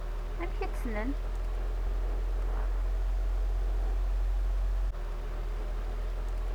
Amek i tt-ssnen?